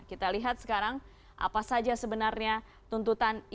kita lihat sekarang apa saja sebenarnya tuntutan ini